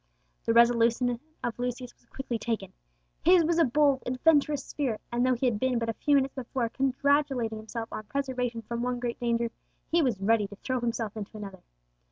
The resolution of Lucius was quickly taken. His was a bold adventurous spirit; and though he had been but a few minutes before congratulating himself on preservation from one great danger, he was ready to throw himself into another.